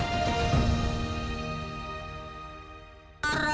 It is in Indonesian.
nah ini sudah hilang